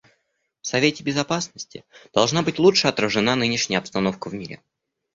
В Совете Безопасности должна быть лучше отражена нынешняя обстановка в мире.